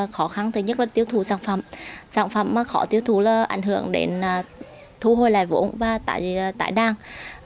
khó khăn thứ nhất là tiêu thụ sản phẩm sản phẩm khó tiêu thụ là ảnh hưởng đến thu hồi lại vũ và tài đăng